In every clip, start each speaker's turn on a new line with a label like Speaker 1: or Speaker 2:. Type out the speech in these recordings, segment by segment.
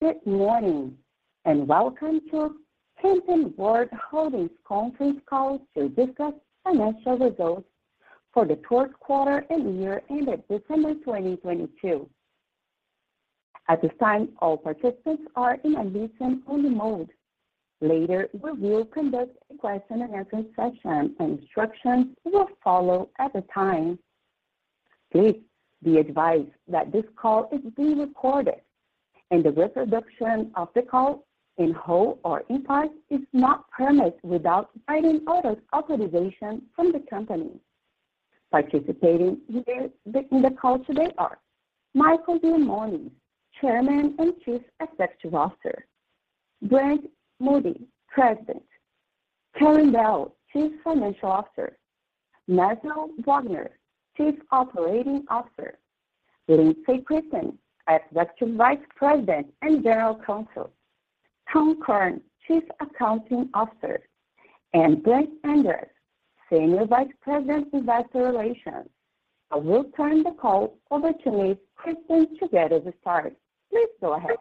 Speaker 1: Good morning, welcome to Camping World Holdings conference call to discuss financial results for the fourth quarter and year ended December 2022. At this time, all participants are in a listen-only mode. Later we will conduct a question-and-answer session, and instructions will follow at the time. Please be advised that this call is being recorded and the reproduction of the call in whole or in part is not permitted without written authorization from the company. Participating in the call today are Marcus Lemonis, Chairman and Chief Executive Officer; Brent Moody, President; Karin Bell, Chief Financial Officer; Matthew Wagner, Chief Operating Officer; Lindsey Christen, Executive Vice President and General Counsel; Tom Curran, Chief Accounting Officer; and Brett Andress, Senior Vice President, Investor Relations. I will turn the call over to Ms. Christen to get us started. Please go ahead.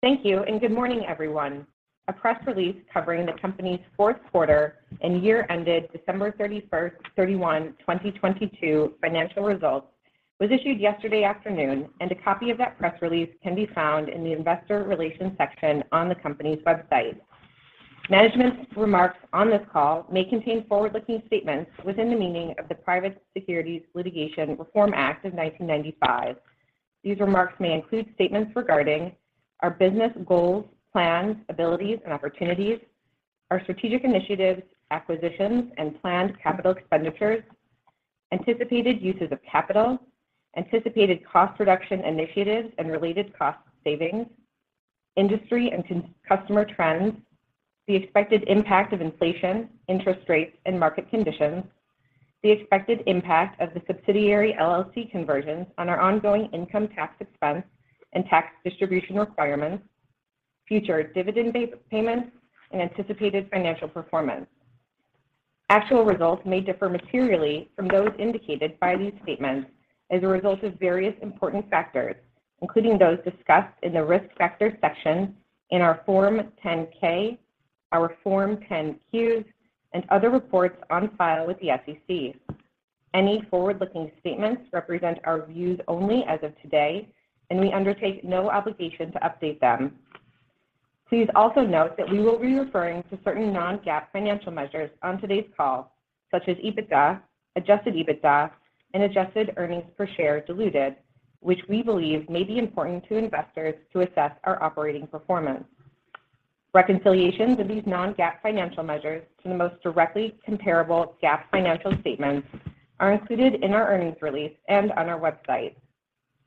Speaker 2: Thank you. Good morning, everyone. A press release covering the company's fourth quarter and year-ended December 31, 2022 financial results was issued yesterday afternoon, and a copy of that press release can be found in the Investor Relations section on the company's website. Management's remarks on this call may contain forward-looking statements within the meaning of the Private Securities Litigation Reform Act of 1995. These remarks may include statements regarding our business goals, plans, abilities and opportunities, our strategic initiatives, acquisitions and planned capital expenditures, anticipated uses of capital, anticipated cost reduction initiatives and related cost savings, industry and customer trends, the expected impact of inflation, interest rates and market conditions, the expected impact of the subsidiary LLC conversions on our ongoing income tax expense and tax distribution requirements, future dividend payments, and anticipated financial performance. Actual results may differ materially from those indicated by these statements as a result of various important factors, including those discussed in the Risk Factors section in our Form 10-K, our Forms 10-Q, and other reports on file with the SEC. Any forward-looking statements represent our views only as of today, and we undertake no obligation to update them. Please also note that we will be referring to certain Non-GAAP financial measures on today's call, such as EBITDA, Adjusted EBITDA, and adjusted earnings per share diluted, which we believe may be important to investors to assess our operating performance. Reconciliations of these Non-GAAP financial measures to the most directly comparable GAAP financial statements are included in our earnings release and on our website.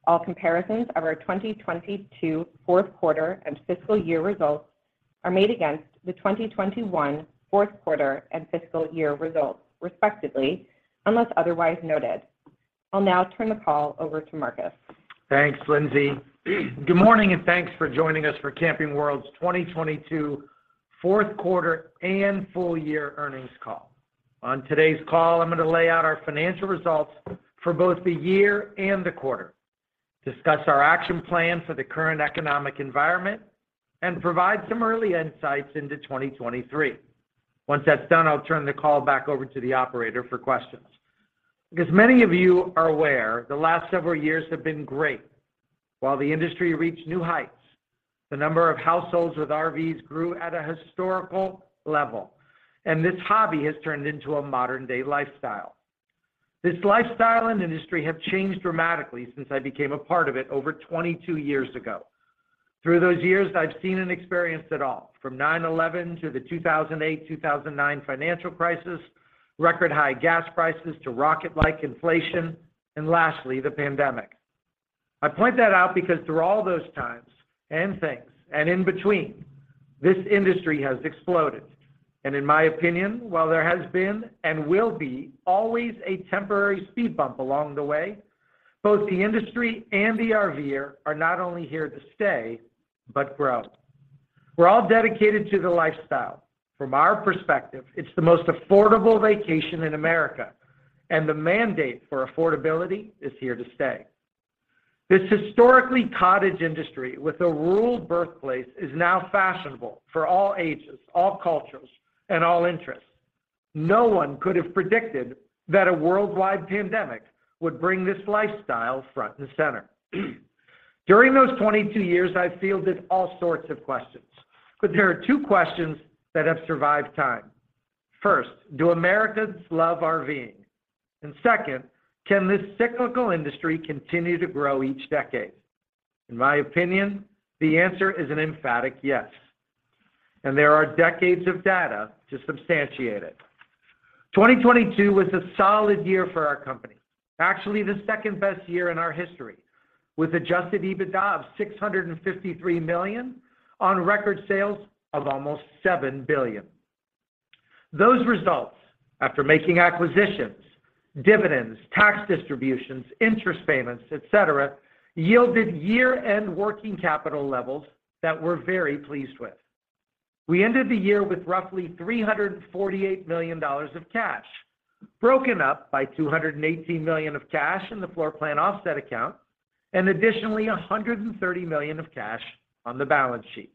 Speaker 2: All comparisons of our 2022 fourth quarter and fiscal year results are made against the 2021 fourth quarter and fiscal year results, respectively, unless otherwise noted. I'll now turn the call over to Marcus.
Speaker 3: Thanks, Lindsey. Good morning, and thanks for joining us for Camping World's 2022 fourth quarter and full year earnings call. On today's call, I'm gonna lay out our financial results for both the year and the quarter, discuss our action plan for the current economic environment, and provide some early insights into 2023. Once that's done, I'll turn the call back over to the operator for questions. As many of you are aware, the last several years have been great. While the industry reached new heights, the number of households with RVs grew at a historical level, and this hobby has turned into a modern-day lifestyle. This lifestyle and industry have changed dramatically since I became a part of it over 22 years ago. Through those years, I've seen and experienced it all, from 9/11 to the 2008, 2009 financial crisis, record high gas prices to rocket-like inflation. Lastly, the pandemic. I point that out because through all those times and things, in between, this industry has exploded. In my opinion, while there has been and will be always a temporary speed bump along the way, both the industry and the RVer are not only here to stay, but grow. We're all dedicated to the lifestyle. From our perspective, it's the most affordable vacation in America. The mandate for affordability is here to stay. This historically cottage industry with a rural birthplace is now fashionable for all ages, all cultures, and all interests. No one could have predicted that a worldwide pandemic would bring this lifestyle front and center. During those 22 years, I've fielded all sorts of questions. There are two questions that have survived time. First, do Americans love RVing? Second, can this cyclical industry continue to grow each decade? In my opinion, the answer is an emphatic yes. There are decades of data to substantiate it. 2022 was a solid year for our company, actually the second-best year in our history, with Adjusted EBITDA of $653 million on record sales of almost $7 billion. Those results, after making acquisitions, dividends, tax distributions, interest payments, et cetera, yielded year-end working capital levels that we're very pleased with. We ended the year with roughly $348 million of cash, broken up by $218 million of cash in the floor plan offset account and additionally $130 million of cash on the balance sheet.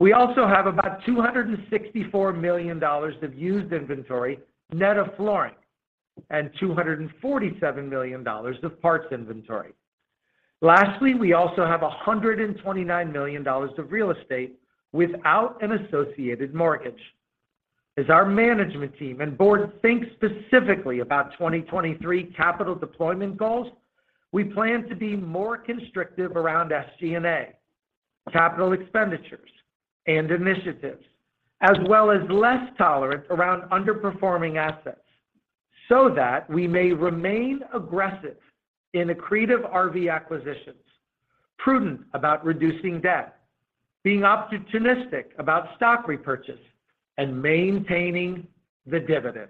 Speaker 3: We also have about $264 million of used inventory net of flooring and $247 million of parts inventory. We also have $129 million of real estate without an associated mortgage. As our management team and board think specifically about 2023 capital deployment goals, we plan to be more constrictive around SG&A, capital expenditures and initiatives, as well as less tolerant around underperforming assets, so that we may remain aggressive in accretive RV acquisitions, prudent about reducing debt, being opportunistic about stock repurchase, and maintaining the dividend.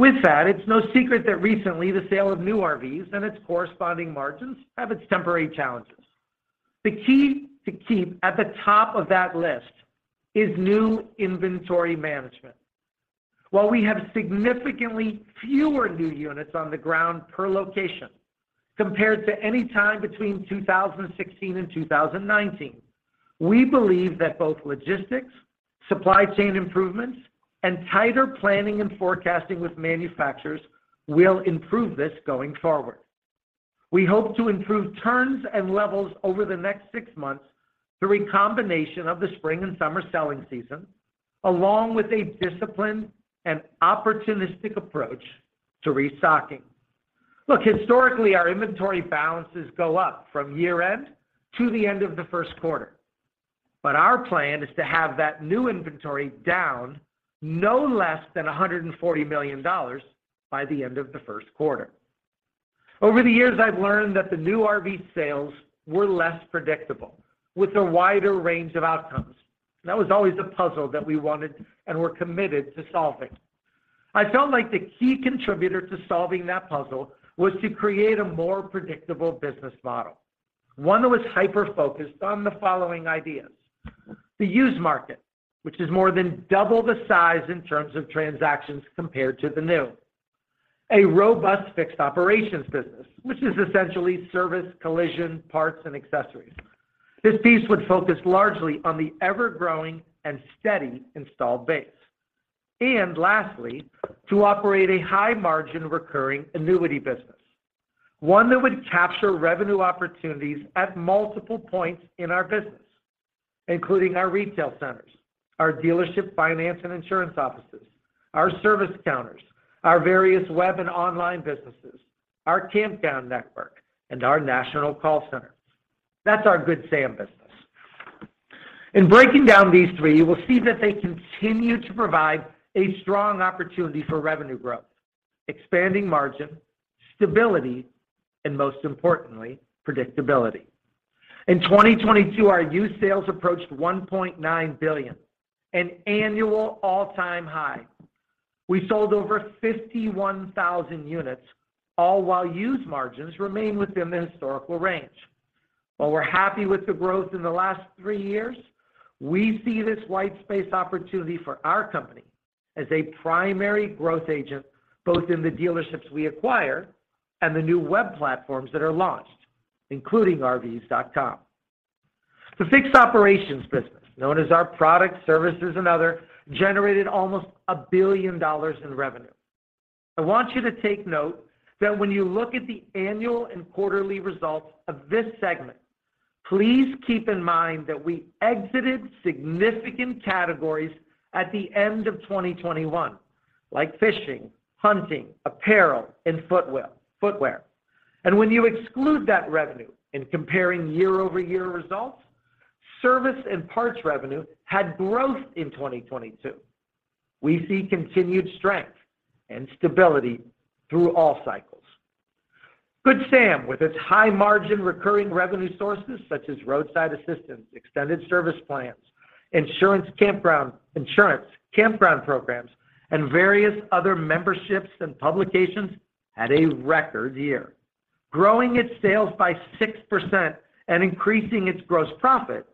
Speaker 3: It's no secret that recently the sale of new RVs and its corresponding margins have its temporary challenges. The key to keep at the top of that list is new inventory management. While we have significantly fewer new units on the ground per location compared to any time between 2016 and 2019, we believe that both logistics, supply chain improvements, and tighter planning and forecasting with manufacturers will improve this going forward. We hope to improve turns and levels over the next six months through a combination of the spring and summer selling season, along with a disciplined and opportunistic approach to restocking. Look, historically, our inventory balances go up from year-end to the end of the first quarter. Our plan is to have that new inventory down no less than $140 million by the end of the first quarter. Over the years, I've learned that the new RV sales were less predictable with a wider range of outcomes. That was always a puzzle that we wanted and we're committed to solving. I felt like the key contributor to solving that puzzle was to create a more predictable business model. One that was hyper-focused on the following ideas. The used market, which is more than double the size in terms of transactions compared to the new. A robust fixed operations business, which is essentially service, collision, parts, and accessories. This piece would focus largely on the ever-growing and steady installed base. Lastly, to operate a high-margin recurring annuity business, one that would capture revenue opportunities at multiple points in our business, including our retail centers, our dealership finance and insurance offices, our service counters, our various web and online businesses, our campground network, and our national call center. That's our Good Sam business. In breaking down these three, you will see that they continue to provide a strong opportunity for revenue growth, expanding margin, stability, and most importantly, predictability. In 2022, our used sales approached $1.9 billion, an annual all-time high. We sold over 51,000 units, all while used margins remain within the historical range. While we're happy with the growth in the last three years, we see this white space opportunity for our company as a primary growth agent, both in the dealerships we acquire and the new web platforms that are launched, including RVs.com. The fixed operations business, known as our product, services, and other, generated almost $1 billion in revenue. I want you to take note that when you look at the annual and quarterly results of this segment, please keep in mind that we exited significant categories at the end of 2021, like fishing, hunting, apparel, and footwear. When you exclude that revenue in comparing year-over-year results, service and parts revenue had growth in 2022. We see continued strength and stability through all cycles. Good Sam, with its high margin recurring revenue sources such as roadside assistance, extended service plans, insurance, campground programs, and various other memberships and publications, had a record year, growing its sales by 6% and increasing its gross profit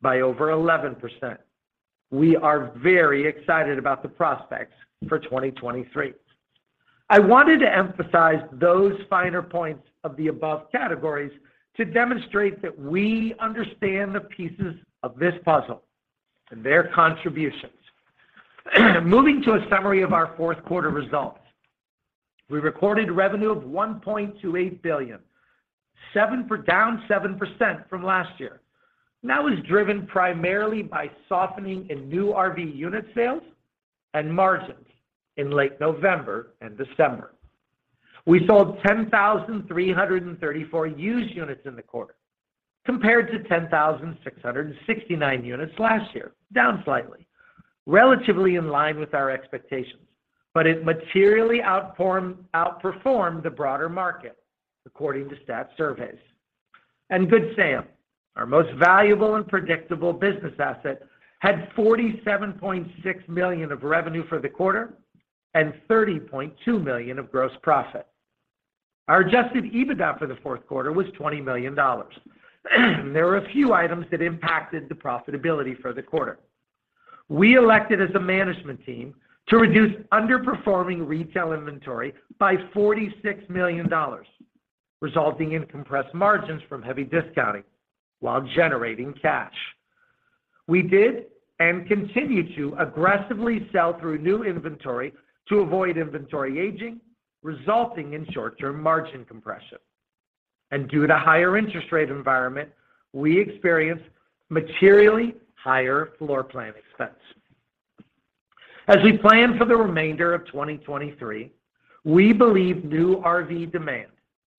Speaker 3: by over 11%. We are very excited about the prospects for 2023. I wanted to emphasize those finer points of the above categories to demonstrate that we understand the pieces of this puzzle and their contributions. Moving to a summary of our fourth quarter results. We recorded revenue of $1.28 billion, down 7% from last year. That was driven primarily by softening in new RV unit sales and margins in late November and December. We sold 10,334 used units in the quarter, compared to 10,669 units last year, down slightly, relatively in line with our expectations. It materially outperformed the broader market, according to stat surveys. Good Sam, our most valuable and predictable business asset, had $47.6 million of revenue for the quarter and $30.2 million of gross profit. Our Adjusted EBITDA for the fourth quarter was $20 million. There were a few items that impacted the profitability for the quarter. We elected as a management team to reduce underperforming retail inventory by $46 million, resulting in compressed margins from heavy discounting while generating cash. We did and continue to aggressively sell through new inventory to avoid inventory aging, resulting in short-term margin compression. Due to higher interest rate environment, we experienced materially higher floor plan expense. As we plan for the remainder of 2023, we believe new RV demand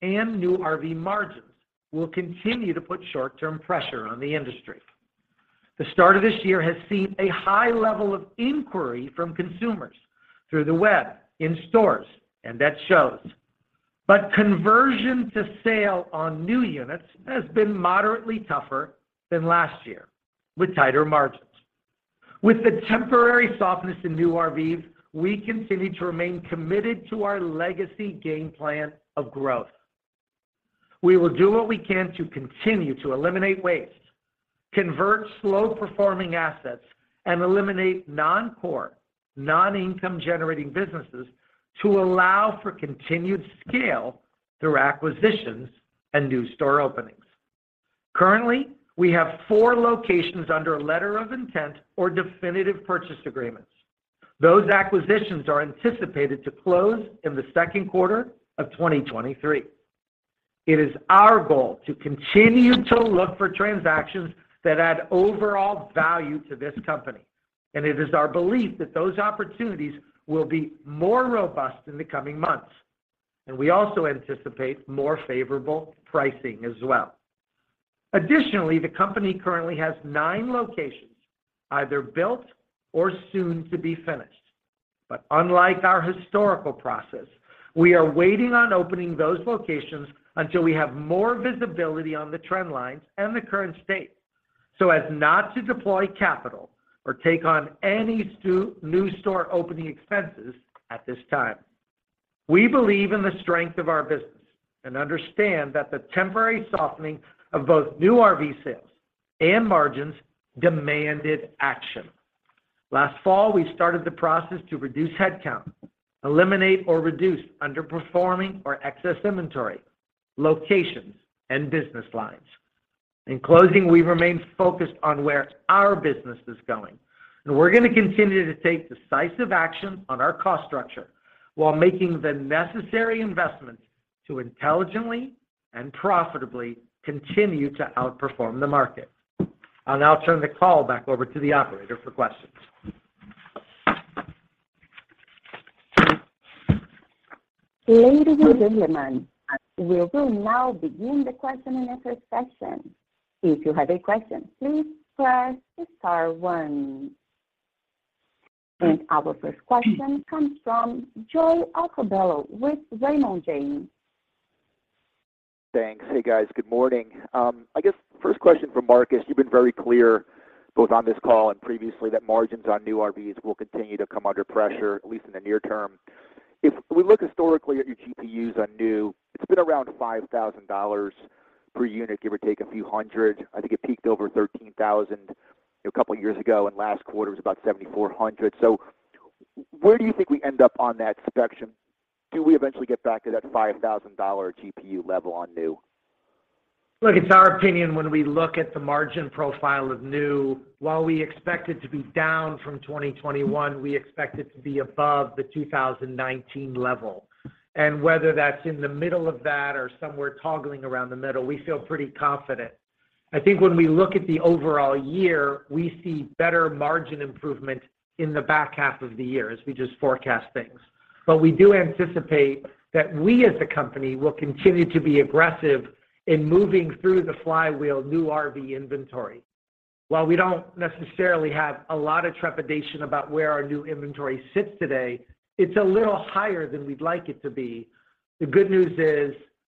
Speaker 3: and new RV margins will continue to put short-term pressure on the industry. The start of this year has seen a high level of inquiry from consumers through the web, in stores, and that shows. Conversion to sale on new units has been moderately tougher than last year, with tighter margins. With the temporary softness in new RVs, we continue to remain committed to our legacy game plan of growth. We will do what we can to continue to eliminate waste, convert slow-performing assets, and eliminate non-core, non-income generating businesses to allow for continued scale through acquisitions and new store openings. Currently, we have four locations under a letter of intent or definitive purchase agreements. Those acquisitions are anticipated to close in the second quarter of 2023. It is our goal to continue to look for transactions that add overall value to this company, and it is our belief that those opportunities will be more robust in the coming months, and we also anticipate more favorable pricing as well. Additionally, the company currently has nine locations, either built or soon to be finished. Unlike our historical process, we are waiting on opening those locations until we have more visibility on the trend lines and the current state, so as not to deploy capital or take on any new store opening expenses at this time. We believe in the strength of our business and understand that the temporary softening of both new RV sales and margins demanded action. Last fall, we started the process to reduce headcount, eliminate or reduce underperforming or excess inventory, locations, and business lines. In closing, we remain focused on where our business is going, and we're going to continue to take decisive action on our cost structure while making the necessary investments to intelligently and profitably continue to outperform the market. I'll now turn the call back over to the operator for questions.
Speaker 1: Ladies and gentlemen, we will now begin the questioning effort session. If you have a question, please press star one. Our first question comes from Joe Altobello with Raymond James.
Speaker 4: Thanks. Hey, guys. Good morning. I guess first question for Marcus, you've been very clear, both on this call and previously, that margins on new RVs will continue to come under pressure, at least in the near term. If we look historically at your GPUs on new, it's been around $5,000 per unit, give or take a few hundred. I think it peaked over $13,000 a couple of years ago, and last quarter was about $7,400. Where do you think we end up on that spectrum? Do we eventually get back to that $5,000 GPU level on new?
Speaker 3: Look, it's our opinion when we look at the margin profile of new, while we expect it to be down from 2021, we expect it to be above the 2019 level. Whether that's in the middle of that or somewhere toggling around the middle, we feel pretty confident. I think when we look at the overall year, we see better margin improvement in the back half of the year as we just forecast things. We do anticipate that we as a company will continue to be aggressive in moving through the flywheel new RV inventory. While we don't necessarily have a lot of trepidation about where our new inventory sits today, it's a little higher than we'd like it to be. The good news is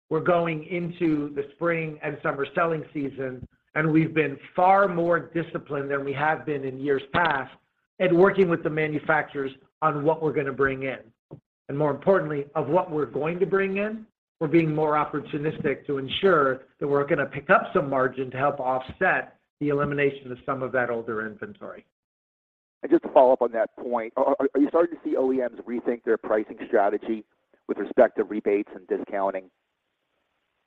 Speaker 3: we're going into the spring and summer selling season. We've been far more disciplined than we have been in years past at working with the manufacturers on what we're gonna bring in. More importantly, of what we're going to bring in, we're being more opportunistic to ensure that we're gonna pick up some margin to help offset the elimination of some of that older inventory.
Speaker 4: Just to follow up on that point, are you starting to see OEMs rethink their pricing strategy with respect to rebates and discounting?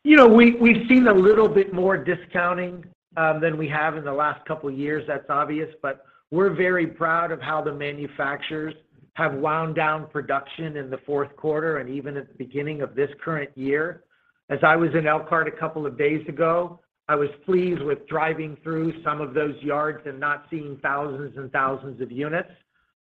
Speaker 3: You know, we've seen a little bit more discounting than we have in the last couple of years. That's obvious. We're very proud of how the manufacturers have wound down production in the fourth quarter and even at the beginning of this current year. As I was in Elkhart a couple of days ago, I was pleased with driving through some of those yards and not seeing thousands and thousands of units.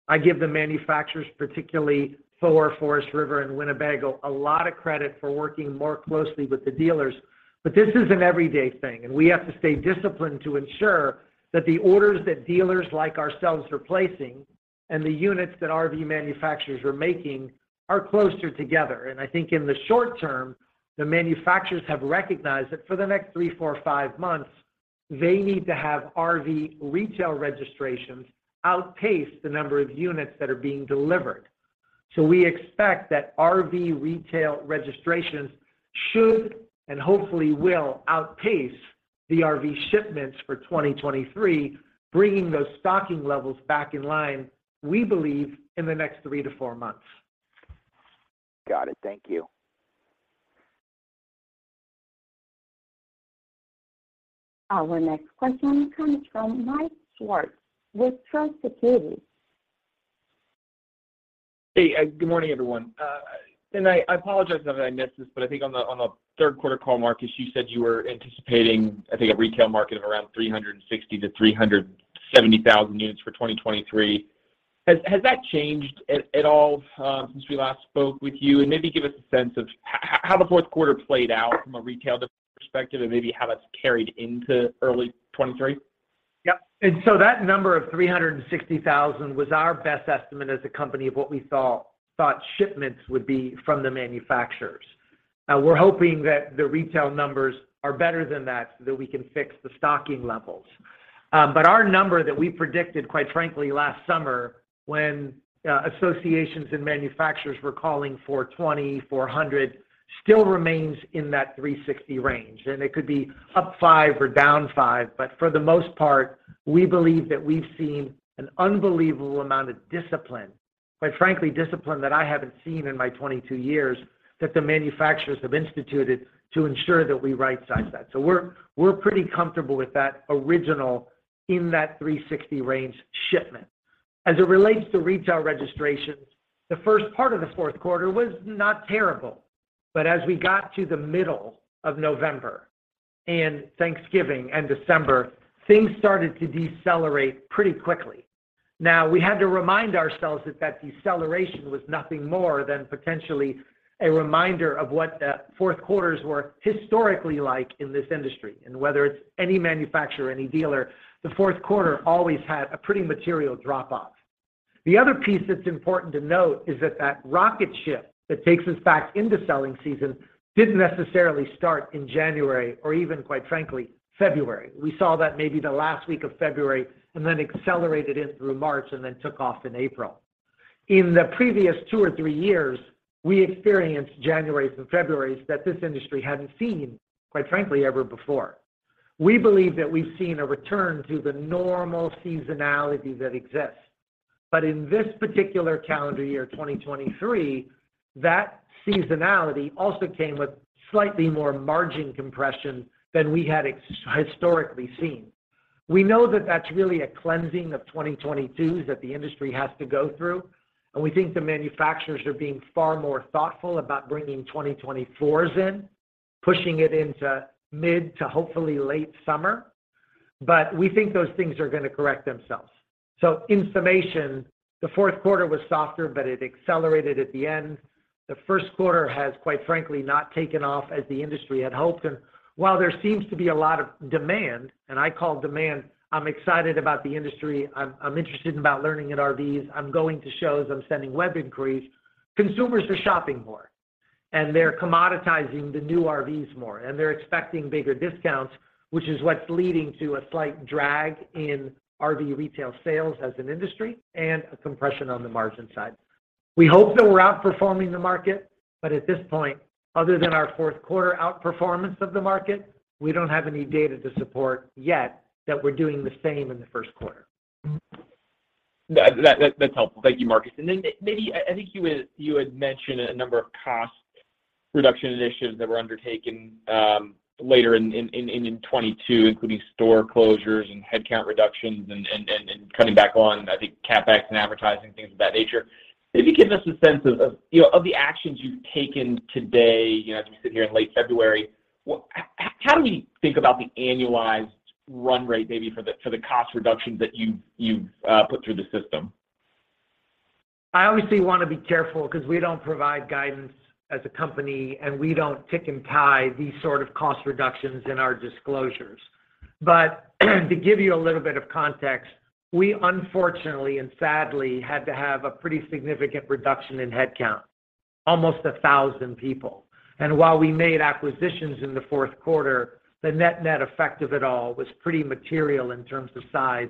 Speaker 3: I give the manufacturers, particularly Thor, Forest River, and Winnebago, a lot of credit for working more closely with the dealers. This is an everyday thing, and we have to stay disciplined to ensure that the orders that dealers like ourselves are placing and the units that RV manufacturers are making are closer together. I think in the short term, the manufacturers have recognized that for the next three, four, five months. They need to have RV retail registrations outpace the number of units that are being delivered. We expect that RV retail registrations should and hopefully will outpace the RV shipments for 2023, bringing those stocking levels back in line, we believe, in the next three to four months.
Speaker 4: Got it. Thank you.
Speaker 1: Our next question comes from Mike Swartz with Truist Securities.
Speaker 5: Hey, good morning, everyone. I apologize now that I missed this, but I think on the third quarter call, Marcus, you said you were anticipating, I think, a retail market of around 360,000-370,000 units for 2023. Has that changed at all since we last spoke with you? Maybe give us a sense of how the fourth quarter played out from a retail perspective and maybe how that's carried into early 2023.
Speaker 3: Yep. That number of 360,000 was our best estimate as a company of what we thought shipments would be from the manufacturers. We're hoping that the retail numbers are better than that so that we can fix the stocking levels. Our number that we predicted, quite frankly, last summer when associations and manufacturers were calling for 2,400 still remains in that 360 range. It could be up 5 or down 5. For the most part, we believe that we've seen an unbelievable amount of discipline, quite frankly, discipline that I haven't seen in my 22 years, that the manufacturers have instituted to ensure that we rightsize that. We're pretty comfortable with that original in that 360 range shipment. It relates to retail registrations, the first part of the fourth quarter was not terrible. As we got to the middle of November and Thanksgiving and December, things started to decelerate pretty quickly. We had to remind ourselves that that deceleration was nothing more than potentially a reminder of what fourth quarters were historically like in this industry. Whether it's any manufacturer, any dealer, the fourth quarter always had a pretty material drop-off. The other piece that's important to note is that that rocket ship that takes us back into selling season didn't necessarily start in January or even, quite frankly, February. We saw that maybe the last week of February and then accelerated in through March and then took off in April. In the previous two or three years, we experienced Januarys and Februaries that this industry hadn't seen, quite frankly, ever before. We believe that we've seen a return to the normal seasonality that exists. In this particular calendar year, 2023, that seasonality also came with slightly more margin compression than we had historically seen. We know that that's really a cleansing of 2022s that the industry has to go through. We think the manufacturers are being far more thoughtful about bringing 2024s in, pushing it into mid to hopefully late summer. We think those things are going to correct themselves. In summation, the fourth quarter was softer, but it accelerated at the end. The first quarter has, quite frankly, not taken off as the industry had hoped. While there seems to be a lot of demand, and I call demand, I'm excited about the industry, I'm interested in about learning at RVs, I'm going to shows, I'm sending web inquiries. Consumers are shopping more, and they're commoditizing the new RVs more, and they're expecting bigger discounts, which is what's leading to a slight drag in RV retail sales as an industry and a compression on the margin side. We hope that we're outperforming the market, but at this point, other than our fourth quarter outperformance of the market, we don't have any data to support yet that we're doing the same in the first quarter.
Speaker 5: That's helpful. Thank you, Marcus. Maybe I think you had mentioned a number of cost reduction initiatives that were undertaken later in 2022, including store closures and headcount reductions and cutting back on, I think, CapEx and advertising, things of that nature. Maybe give us a sense of, you know, of the actions you've taken today, you know, as we sit here in late February. How do we think about the annualized run rate maybe for the cost reductions that you've put through the system?
Speaker 3: I obviously wanna be careful because we don't provide guidance as a company, we don't tick and tie these sort of cost reductions in our disclosures. To give you a little bit of context, we unfortunately and sadly had to have a pretty significant reduction in headcount, almost 1,000 people. While we made acquisitions in the fourth quarter, the net-net effect of it all was pretty material in terms of size.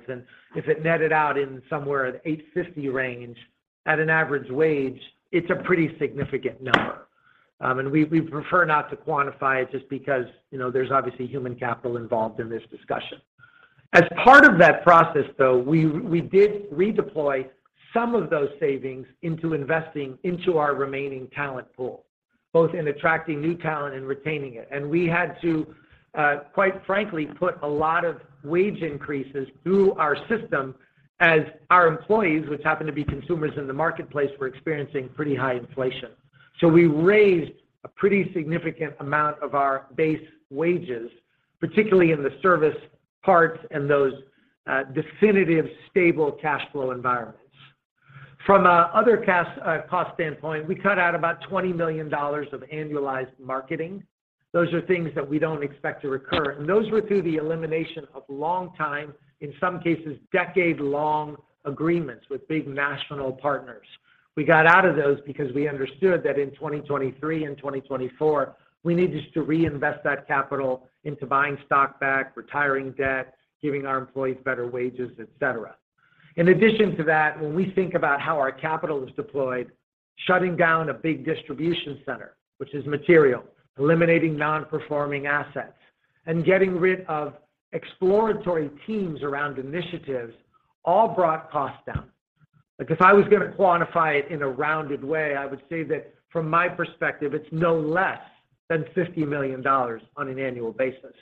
Speaker 3: If it netted out in somewhere in the $850 range at an average wage, it's a pretty significant number. We prefer not to quantify it just because, you know, there's obviously human capital involved in this discussion. As part of that process, though, we did redeploy some of those savings into investing into our remaining talent pool, both in attracting new talent and retaining it. We had to, quite frankly, put a lot of wage increases through our system as our employees, which happen to be consumers in the marketplace, were experiencing pretty high inflation. We raised a pretty significant amount of our base wages, particularly in the service parts and those definitive stable cash flow environments. From a other cost standpoint, we cut out about $20 million of annualized marketing. Those are things that we don't expect to recur, and those were through the elimination of long-time, in some cases, decade-long agreements with big national partners. We got out of those because we understood that in 2023 and 2024, we needed to reinvest that capital into buying stock back, retiring debt, giving our employees better wages, et cetera. In addition to that, when we think about how our capital is deployed, shutting down a big distribution center, which is material, eliminating non-performing assets, and getting rid of exploratory teams around initiatives all brought costs down. Like, if I was gonna quantify it in a rounded way, I would say that from my perspective, it's no less than $50 million on an annual basis.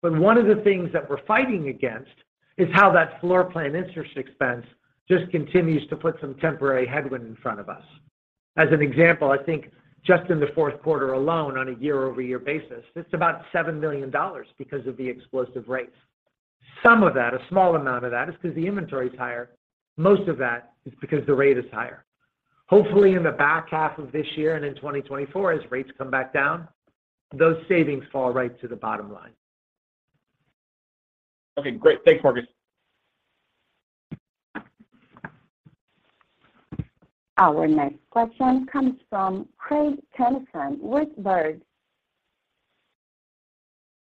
Speaker 3: One of the things that we're fighting against is how that floor plan interest expense just continues to put some temporary headwind in front of us. As an example, I think just in the fourth quarter alone on a year-over-year basis, it's about $7 million because of the explosive rates. Some of that, a small amount of that is 'cause the inventory is higher. Most of that is because the rate is higher. Hopefully, in the back half of this year and in 2024, as rates come back down, those savings fall right to the bottom line.
Speaker 5: Okay, great. Thanks, Marcus.
Speaker 1: Our next question comes from Craig Kennison with Baird.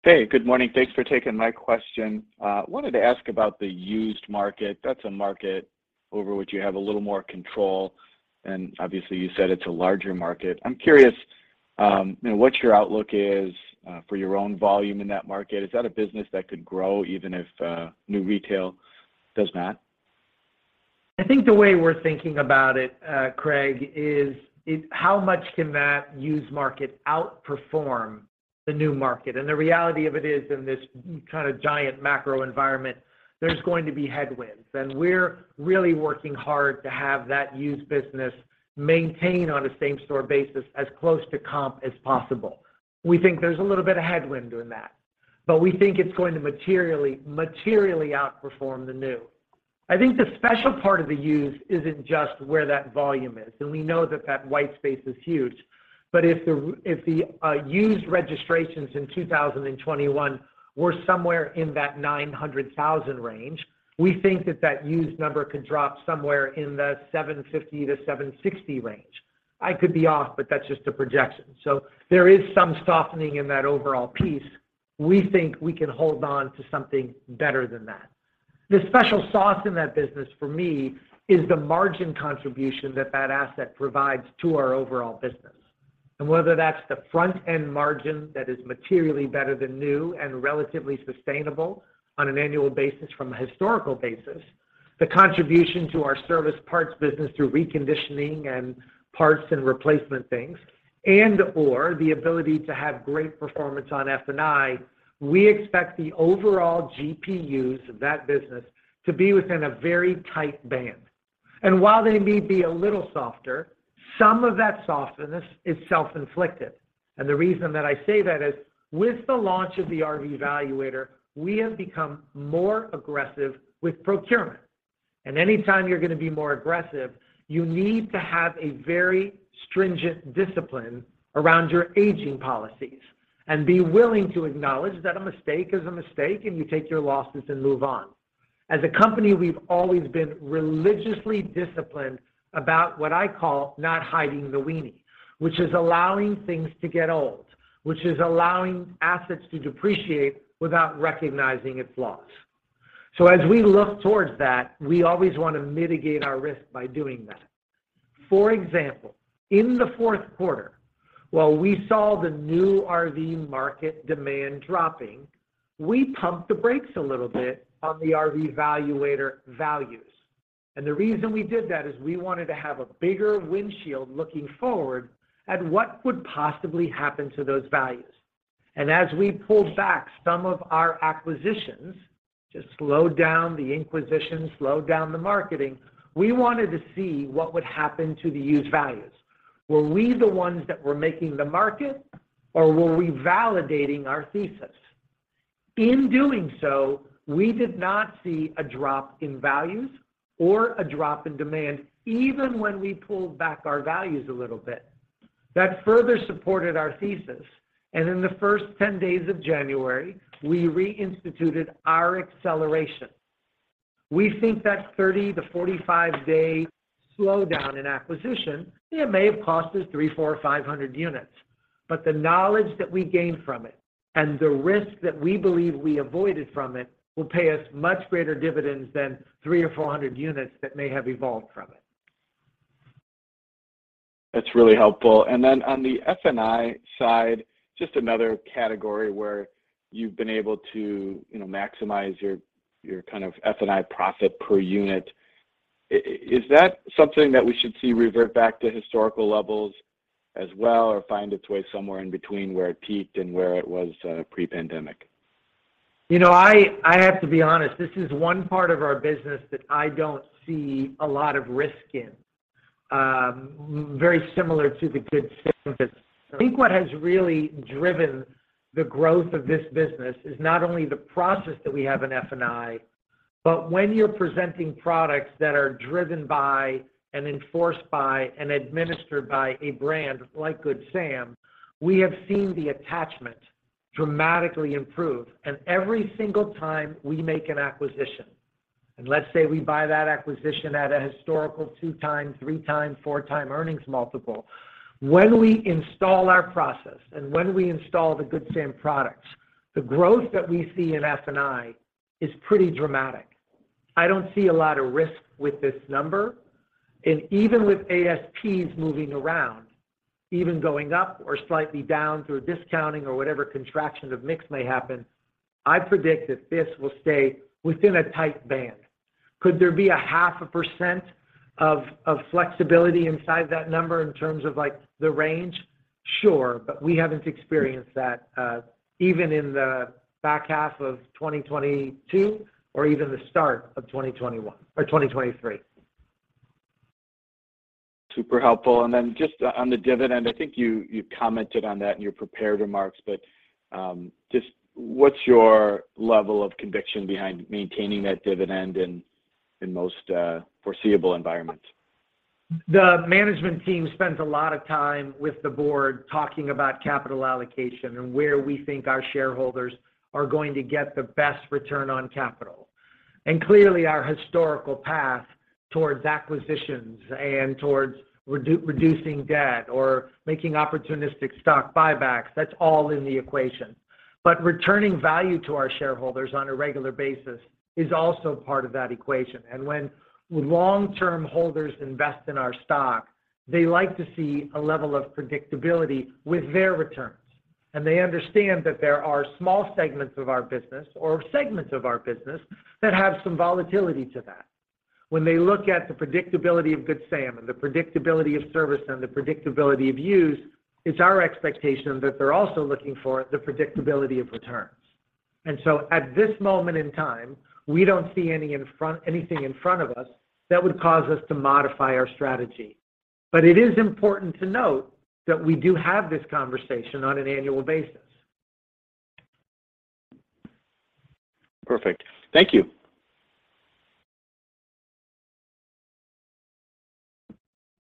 Speaker 6: Hey, good morning. Thanks for taking my question. Wanted to ask about the used market. That's a market over which you have a little more control, and obviously, you said it's a larger market. I'm curious, you know, what your outlook is for your own volume in that market. Is that a business that could grow even if new retail does not?
Speaker 3: I think the way we're thinking about it, Craig, how much can that used market outperform the new market? The reality of it is, in this kind of giant macro environment, there's going to be headwinds, and we're really working hard to have that used business maintain on a same-store basis as close to comp as possible. We think there's a little bit of headwind in that, but we think it's going to materially outperform the new. I think the special part of the used isn't just where that volume is, and we know that that white space is huge. If the used registrations in 2021 were somewhere in that 900,000 range, we think that that used number could drop somewhere in the 750 to 760 range. I could be off, but that's just a projection. There is some softening in that overall piece. We think we can hold on to something better than that. The special sauce in that business for me is the margin contribution that that asset provides to our overall business. Whether that's the front-end margin that is materially better than new and relatively sustainable on an annual basis from a historical basis, the contribution to our service parts business through reconditioning and parts and replacement things, and/or the ability to have great performance on F&I, we expect the overall GPUs of that business to be within a very tight band. While they may be a little softer, some of that softness is self-inflicted. The reason that I say that is with the launch of the RV Evaluator, we have become more aggressive with procurement. Anytime you're gonna be more aggressive, you need to have a very stringent discipline around your aging policies and be willing to acknowledge that a mistake is a mistake, and you take your losses and move on. As a company, we've always been religiously disciplined about what I call not hiding the weenie, which is allowing things to get old, which is allowing assets to depreciate without recognizing its loss. As we look towards that, we always wanna mitigate our risk by doing that. For example, in the 4th quarter, while we saw the new RV market demand dropping, we pumped the brakes a little bit on the RV Evaluator values. The reason we did that is we wanted to have a bigger windshield looking forward at what would possibly happen to those values. As we pulled back some of our acquisitions to slow down the acquisition, slow down the marketing, we wanted to see what would happen to the used values. Were we the ones that were making the market, or were we validating our thesis? In doing so, we did not see a drop in values or a drop in demand, even when we pulled back our values a little bit. That further supported our thesis. In the first 10 days of January, we reinstituted our acceleration. We think that 30-45 day slowdown in acquisition, it may have cost us 300, 400, 500 units. The knowledge that we gained from it and the risk that we believe we avoided from it will pay us much greater dividends than 300 or 400 units that may have evolved from it.
Speaker 6: That's really helpful. On the F&I side, just another category where you've been able to, you know, maximize your kind of F&I profit per unit. Is that something that we should see revert back to historical levels as well, or find its way somewhere in between where it peaked and where it was pre-pandemic?
Speaker 3: You know, I have to be honest. This is one part of our business that I don't see a lot of risk in, very similar to the Good Sam business. I think what has really driven the growth of this business is not only the process that we have in F&I, but when you're presenting products that are driven by and enforced by and administered by a brand like Good Sam, we have seen the attachment dramatically improve. Every single time we make an acquisition, and let's say we buy that acquisition at a historical 2 times, 3 times, 4 time earnings multiple, when we install our process and when we install the Good Sam products, the growth that we see in F&I is pretty dramatic. I don't see a lot of risk with this number. Even with ASPs moving around, even going up or slightly down through discounting or whatever contraction of mix may happen, I predict that this will stay within a tight band. Could there be a half a percent of flexibility inside that number in terms of like the range? Sure. We haven't experienced that, even in the back half of 2022, or even the start of 2023.
Speaker 6: Super helpful. Then just on the dividend, I think you commented on that in your prepared remarks, just what's your level of conviction behind maintaining that dividend in most foreseeable environments?
Speaker 3: The management team spends a lot of time with the board talking about capital allocation and where we think our shareholders are going to get the best return on capital. Clearly, our historical path towards acquisitions and towards reducing debt or making opportunistic stock buybacks, that's all in the equation. Returning value to our shareholders on a regular basis is also part of that equation. When long-term holders invest in our stock, they like to see a level of predictability with their returns. They understand that there are small segments of our business or segments of our business that have some volatility to that. When they look at the predictability of Good Sam and the predictability of Service and the predictability of Used, it's our expectation that they're also looking for the predictability of returns. At this moment in time, we don't see anything in front of us that would cause us to modify our strategy. It is important to note that we do have this conversation on an annual basis.
Speaker 6: Perfect. Thank you.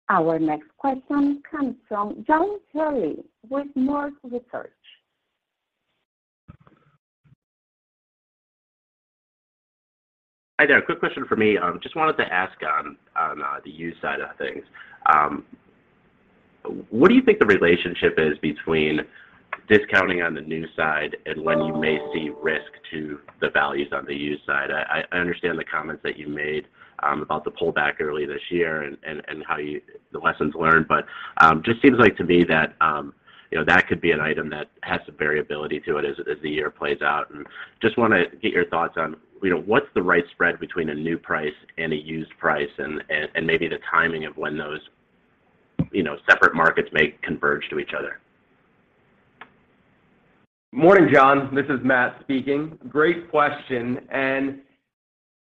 Speaker 1: Our next question comes from John Healy with MoffettNathanson.
Speaker 7: Hi there. Quick question for me. Just wanted to ask on the used side of things. What do you think the relationship is between discounting on the new side and when you may see risk to the values on the used side? I understand the comments that you made about the pullback early this year and how you the lessons learned, but just seems like to me that, you know, that could be an item that has some variability to it as the year plays out. Just wanna get your thoughts on, you know, what's the right spread between a new price and a used price and maybe the timing of when those, you know, separate markets may converge to each other.
Speaker 8: Morning, John. This is Matt speaking. Great question.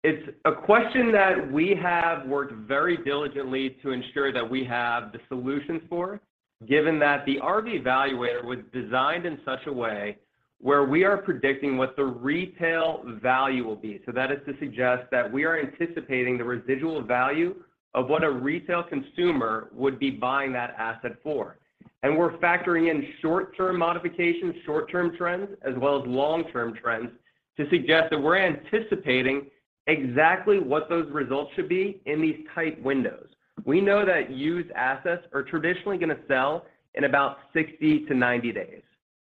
Speaker 8: It's a question that we have worked very diligently to ensure that we have the solutions for, given that the RV Evaluator was designed in such a way where we are predicting what the retail value will be. That is to suggest that we are anticipating the residual value of what a retail consumer would be buying that asset for. We're factoring in short-term modifications, short-term trends, as well as long-term trends to suggest that we're anticipating exactly what those results should be in these tight windows. We know that used assets are traditionally gonna sell in about 60-90 days.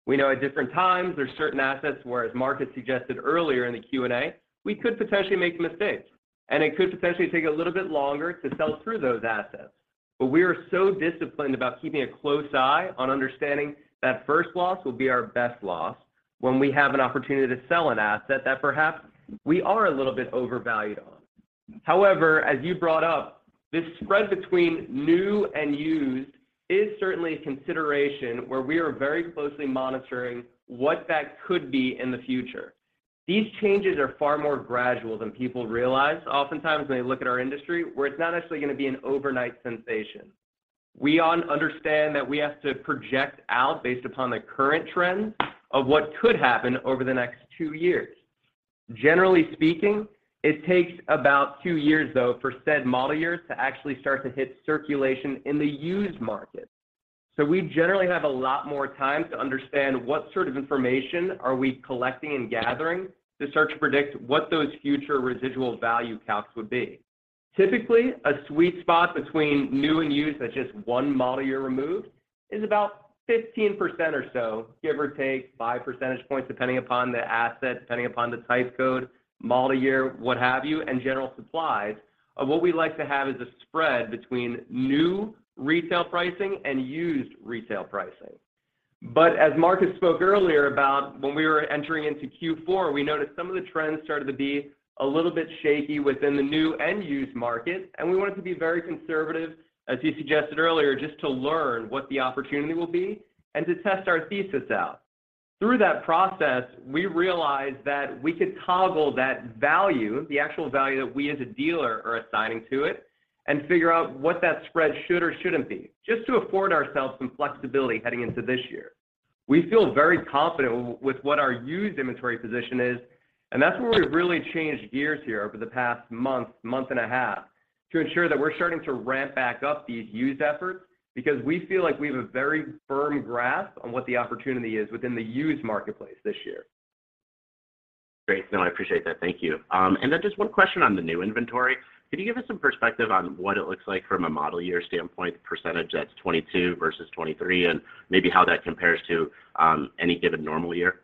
Speaker 8: We know at different times, there's certain assets where, as Marcus suggested earlier in the Q&A, we could potentially make mistakes, and it could potentially take a little bit longer to sell through those assets. We are so disciplined about keeping a close eye on understanding that first loss will be our best loss when we have an opportunity to sell an asset that perhaps we are a little bit overvalued on. However, as you brought up, this spread between new and used is certainly a consideration where we are very closely monitoring what that could be in the future. These changes are far more gradual than people realize oftentimes when they look at our industry, where it's not necessarily gonna be an overnight sensation. We understand that we have to project out based upon the current trends of what could happen over the next two years. Generally speaking, it takes about two years, though, for said model years to actually start to hit circulation in the used market. We generally have a lot more time to understand what sort of information are we collecting and gathering to start to predict what those future residual value counts would be. Typically, a sweet spot between new and used at just 1 model year removed is about 15% or so, give or take 5 percentage points, depending upon the asset, depending upon the type code, model year, what have you, and general supplies, of what we like to have as a spread between new retail pricing and used retail pricing. As Marcus spoke earlier about when we were entering into Q4, we noticed some of the trends started to be a little bit shaky within the new and used market, and we wanted to be very conservative, as he suggested earlier, just to learn what the opportunity will be and to test our thesis out. Through that process, we realized that we could toggle that value, the actual value that we as a dealer are assigning to it and figure out what that spread should or shouldn't be, just to afford ourselves some flexibility heading into this year. We feel very confident with what our used inventory position is. That's where we've really changed gears here over the past month and a half. To ensure that we're starting to ramp back up these used efforts because we feel like we have a very firm grasp on what the opportunity is within the used marketplace this year.
Speaker 7: Great. No, I appreciate that. Thank you. And then just one question on the new inventory. Could you give us some perspective on what it looks like from a model year standpoint, the percentage that's 2022 versus 2023, and maybe how that compares to any given normal year?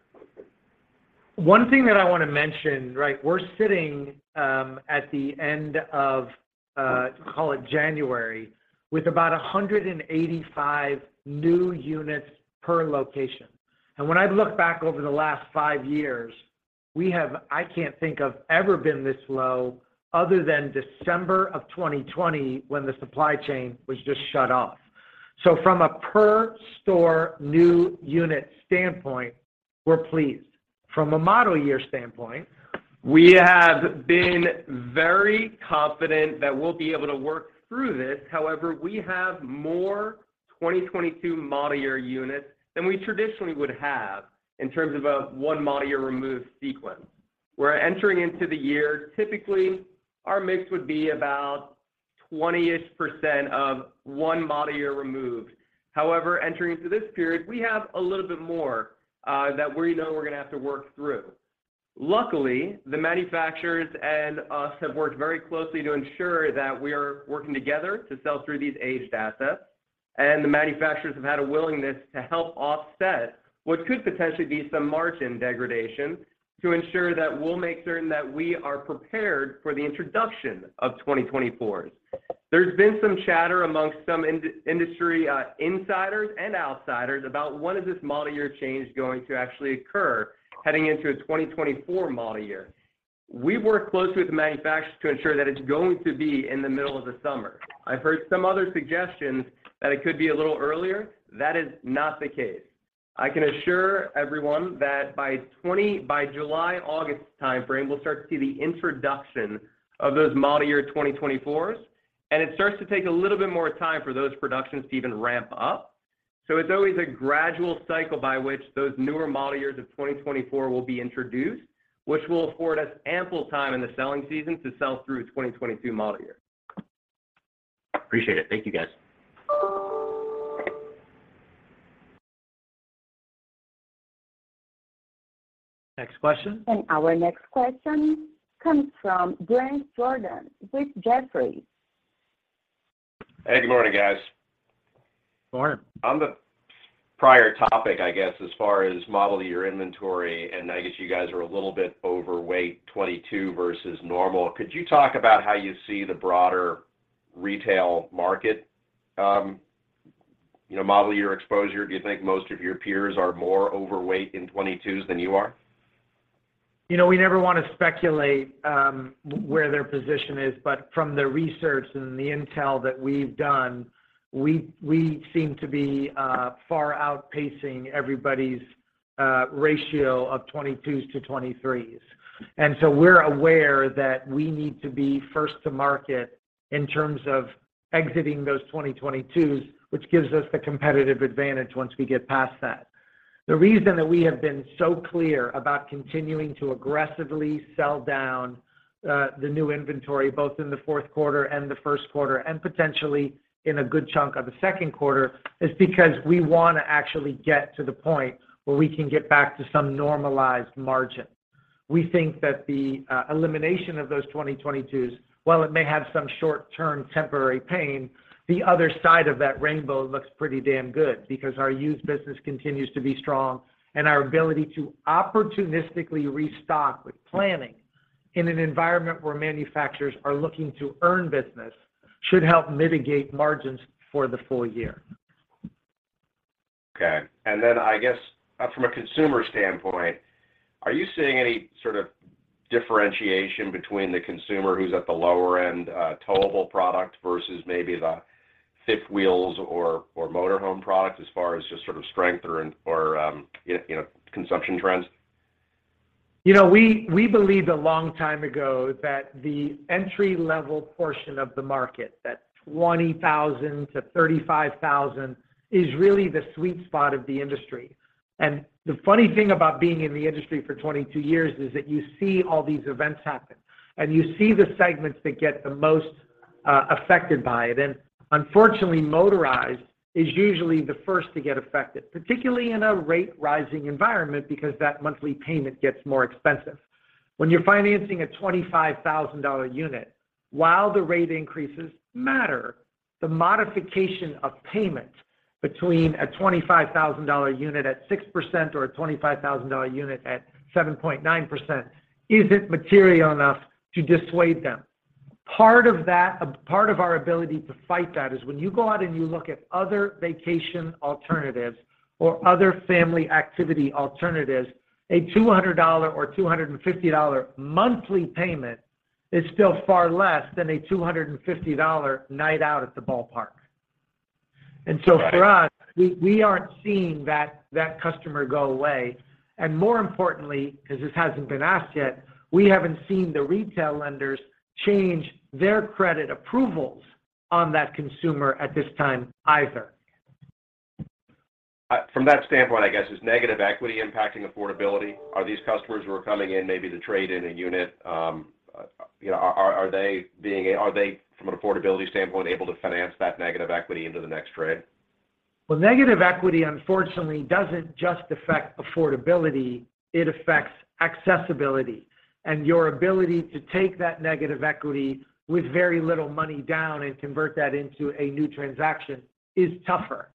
Speaker 3: One thing that I want to mention, right, we're sitting at the end of, call it January, with about 185 new units per location. When I look back over the last five years, I can't think of ever been this low other than December of 2020 when the supply chain was just shut off. From a per store new unit standpoint, we're pleased. From a model year standpoint, we have been very confident that we'll be able to work through this. However, we have more 2022 model year units than we traditionally would have in terms of a 1 model year removed sequence. We're entering into the year. Typically, our mix would be about 20-ish percent of one model year removed. Entering into this period, we have a little bit more that we know we're going to have to work through. Luckily, the manufacturers and us have worked very closely to ensure that we are working together to sell through these aged assets, the manufacturers have had a willingness to help offset what could potentially be some margin degradation to ensure that we'll make certain that we are prepared for the introduction of 2024s. There's been some chatter amongst some industry insiders and outsiders about when is this model year change going to actually occur heading into a 2024 model year. We work closely with the manufacturers to ensure that it's going to be in the middle of the summer. I've heard some other suggestions that it could be a little earlier. That is not the case. I can assure everyone that by July, August timeframe, we'll start to see the introduction of those model year 2024s. It starts to take a little bit more time for those productions to even ramp up. It's always a gradual cycle by which those newer model years of 2024 will be introduced, which will afford us ample time in the selling season to sell through a 2022 model year.
Speaker 7: Appreciate it. Thank you, guys.
Speaker 1: Next question. Our next question comes from Bret Jordan with Jefferies.
Speaker 9: Hey, good morning, guys.
Speaker 3: Morning.
Speaker 9: On the prior topic, I guess as far as model year inventory, I guess you guys are a little bit overweight 2022 versus normal. Could you talk about how you see the broader retail market, you know, model year exposure? Do you think most of your peers are more overweight in 2022s than you are?
Speaker 3: You know, we never want to speculate, where their position is. From the research and the intel that we've done, we seem to be far outpacing everybody's ratio of 22s to 23s. We're aware that we need to be first to market in terms of exiting those 2022s, which gives us the competitive advantage once we get past that. The reason that we have been so clear about continuing to aggressively sell down the new inventory both in the fourth quarter and the first quarter, and potentially in a good chunk of the second quarter, is because we want to actually get to the point where we can get back to some normalized margin. We think that the elimination of those 2022s, while it may have some short-term temporary pain, the other side of that rainbow looks pretty damn good because our used business continues to be strong and our ability to opportunistically restock with planning in an environment where manufacturers are looking to earn business should help mitigate margins for the full year.
Speaker 9: Okay. I guess from a consumer standpoint, are you seeing any sort of differentiation between the consumer who's at the lower end, towable product versus maybe the fifth wheels or motor home products as far as just sort of strength or, you know, consumption trends?
Speaker 3: You know, we believed a long time ago that the entry-level portion of the market, that $20,000-$35,000, is really the sweet spot of the industry. The funny thing about being in the industry for 22 years is that you see all these events happen, and you see the segments that get the most affected by it. Unfortunately, motorized is usually the first to get affected, particularly in a rate-rising environment, because that monthly payment gets more expensive. When you're financing a $25,000 unit, while the rate increases matter, the modification of payment between a $25,000 unit at 6% or a $25,000 unit at 7.9% isn't material enough to dissuade them. Part of our ability to fight that is when you go out and you look at other vacation alternatives or other family activity alternatives, a $200 or $250 monthly payment is still far less than a $250 night out at the ballpark.
Speaker 9: Got it.
Speaker 3: For us, we aren't seeing that customer go away. More importantly, because this hasn't been asked yet, we haven't seen the retail lenders change their credit approvals on that consumer at this time either.
Speaker 9: From that standpoint, I guess, is negative equity impacting affordability? Are these customers who are coming in maybe to trade in a unit, you know, are they from an affordability standpoint, able to finance that negative equity into the next trade?
Speaker 3: Negative equity, unfortunately, doesn't just affect affordability, it affects accessibility. Your ability to take that negative equity with very little money down and convert that into a new transaction is tougher.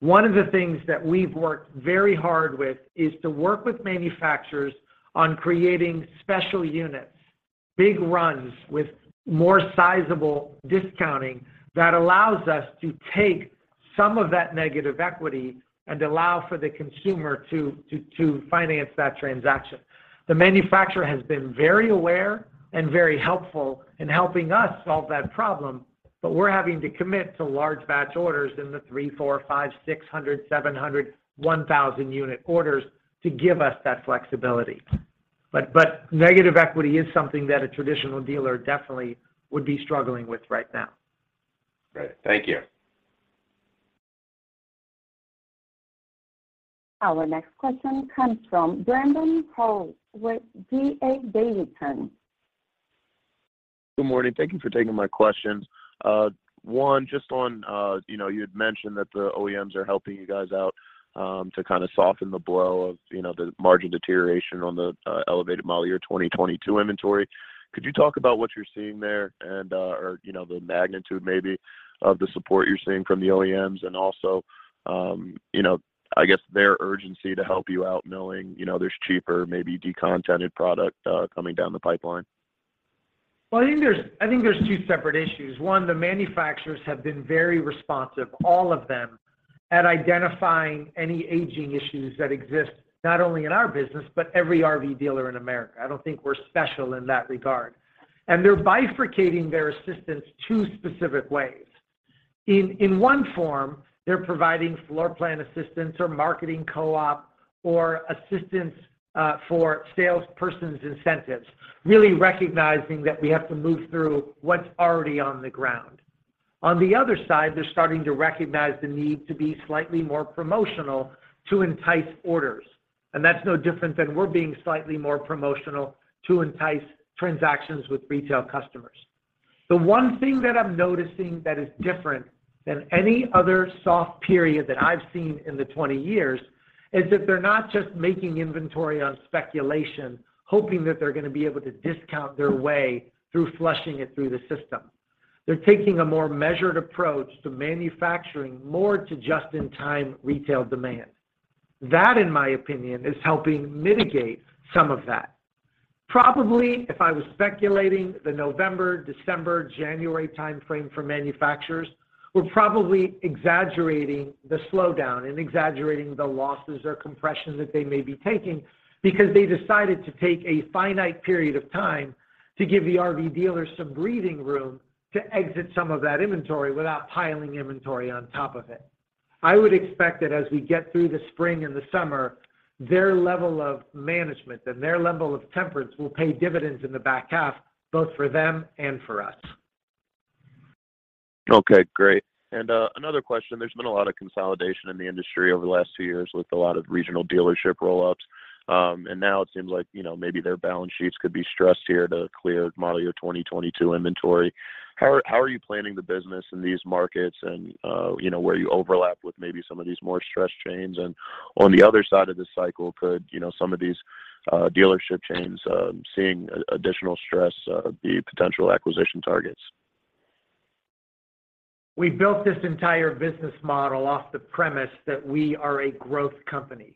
Speaker 3: One of the things that we've worked very hard with is to work with manufacturers on creating special units, big runs with more sizable discounting that allows us to take some of that negative equity and allow for the consumer to finance that transaction. The manufacturer has been very aware and very helpful in helping us solve that problem, but we're having to commit to large batch orders in the 300, 400, 500, 600, 700, 1,000 unit orders to give us that flexibility. Negative equity is something that a traditional dealer definitely would be struggling with right now.
Speaker 9: Great. Thank you.
Speaker 1: Our next question comes from Brandon Rolle with D.A. Davidson.
Speaker 10: Good morning. Thank you for taking my questions. One, just on, you know, you had mentioned that the OEMs are helping you guys out to kind of soften the blow of, you know, the margin deterioration on the elevated model year 2022 inventory. Could you talk about what you're seeing there and, or, you know, the magnitude maybe of the support you're seeing from the OEMs and also, you know, I guess their urgency to help you out knowing, you know, there's cheaper, maybe decontented product coming down the pipeline?
Speaker 3: I think there's two separate issues. One, the manufacturers have been very responsive, all of them, at identifying any aging issues that exist, not only in our business, but every RV dealer in America. I don't think we're special in that regard. They're bifurcating their assistance two specific ways. In, in one form, they're providing floor plan assistance or marketing co-op or assistance for salespersons incentives, really recognizing that we have to move through what's already on the ground. On the other side, they're starting to recognize the need to be slightly more promotional to entice orders. That's no different than we're being slightly more promotional to entice transactions with retail customers. The one thing that I'm noticing that is different than any other soft period that I've seen in the 20 years is that they're not just making inventory on speculation, hoping that they're gonna be able to discount their way through flushing it through the system. They're taking a more measured approach to manufacturing more to just-in-time retail demand. That, in my opinion, is helping mitigate some of that. Probably, if I was speculating, the November, December, January timeframe for manufacturers, we're probably exaggerating the slowdown and exaggerating the losses or compression that they may be taking because they decided to take a finite period of time to give the RV dealers some breathing room to exit some of that inventory without piling inventory on top of it. I would expect that as we get through the spring and the summer, their level of management and their level of temperance will pay dividends in the back half, both for them and for us.
Speaker 10: Okay. Great. Another question. There's been a lot of consolidation in the industry over the last two years with a lot of regional dealership roll-ups. Now it seems like, you know, maybe their balance sheets could be stressed here to clear model year 2022 inventory. How are you planning the business in these markets and, you know, where you overlap with maybe some of these more stressed chains? On the other side of this cycle, could, you know, some of these dealership chains, seeing additional stress, be potential acquisition targets?
Speaker 3: We built this entire business model off the premise that we are a growth company,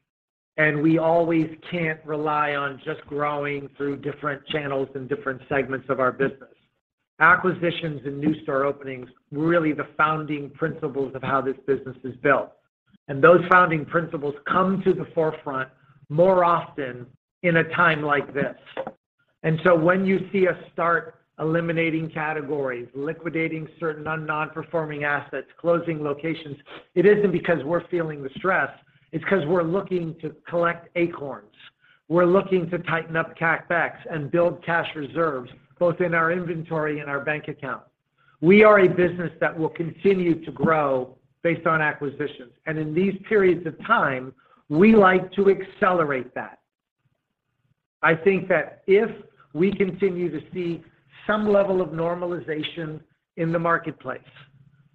Speaker 3: and we always can't rely on just growing through different channels and different segments of our business. Acquisitions and new store openings were really the founding principles of how this business is built. Those founding principles come to the forefront more often in a time like this. When you see us start eliminating categories, liquidating certain non-performing assets, closing locations, it isn't because we're feeling the stress, it's 'cause we're looking to collect acorns. We're looking to tighten up CapEx and build cash reserves, both in our inventory and our bank account. We are a business that will continue to grow based on acquisitions. In these periods of time, we like to accelerate that. I think that if we continue to see some level of normalization in the marketplace,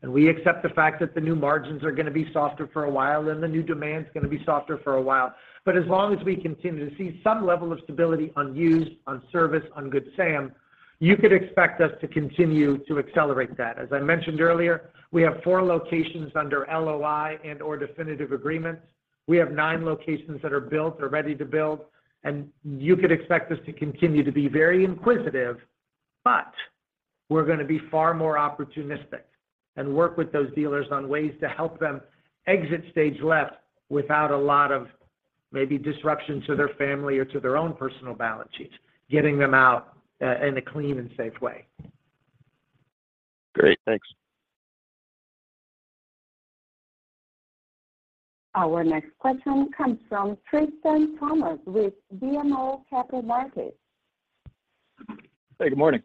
Speaker 3: we accept the fact that the new margins are gonna be softer for a while and the new demand is gonna be softer for a while. As long as we continue to see some level of stability on used, on service, on Good Sam, you could expect us to continue to accelerate that. As I mentioned earlier, we have four locations under LOI and/or definitive agreements. We have nine locations that are built or ready to build. You could expect us to continue to be very inquisitive, but we're gonna be far more opportunistic and work with those dealers on ways to help them exit stage left without a lot of maybe disruption to their family or to their own personal balance sheets, getting them out in a clean and safe way.
Speaker 10: Great. Thanks.
Speaker 1: Our next question comes from Tristan Thomas-Martin with BMO Capital Markets.
Speaker 11: Hey, good morning.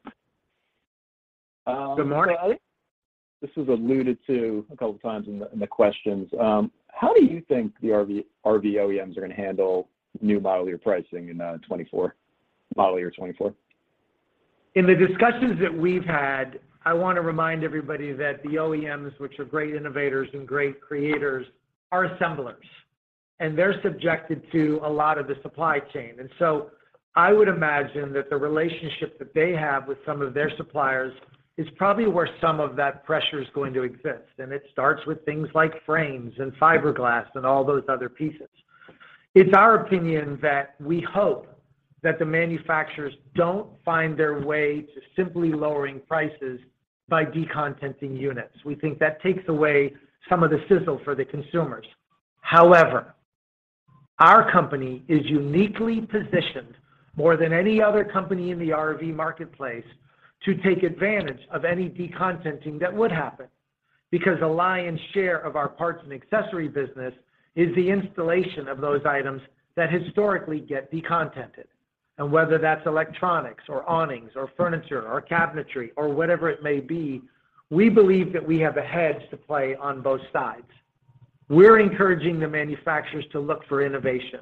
Speaker 3: Good morning.
Speaker 11: This was alluded to a couple times in the, in the questions. How do you think the RV OEMs are gonna handle new model year pricing in 2024, model year 2024?
Speaker 3: In the discussions that we've had, I wanna remind everybody that the OEMs, which are great innovators and great creators, are assemblers, and they're subjected to a lot of the supply chain. I would imagine that the relationship that they have with some of their suppliers is probably where some of that pressure is going to exist, and it starts with things like frames and fiberglass and all those other pieces. It's our opinion that we hope that the manufacturers don't find their way to simply lowering prices by decontenting units. We think that takes away some of the sizzle for the consumers. Our company is uniquely positioned more than any other company in the RV marketplace to take advantage of any decontenting that would happen because the lion's share of our parts and accessory business is the installation of those items that historically get decontented. Whether that's electronics, or awnings, or furniture, or cabinetry, or whatever it may be, we believe that we have a hedge to play on both sides. We're encouraging the manufacturers to look for innovation.